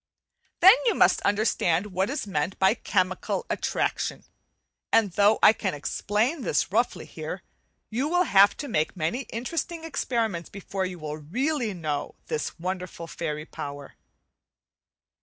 Then you must understand what is meant by chemical attraction; and though I can explain this roughly here, you will have to make many interesting experiments before you will really learn to know this wonderful fairy power.